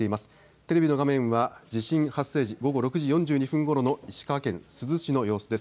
テレビの画面は地震発生時午後６時４２分ごろの石川県珠洲市の様子です。